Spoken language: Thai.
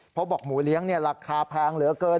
เพราะบอกหมูเลี้ยงราคาแพงเหลือเกิน